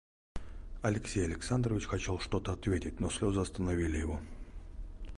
Алексей Александрович хотел что-то ответить, но слезы остановили его.